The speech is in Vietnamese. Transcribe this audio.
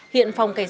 hiện phòng cài sát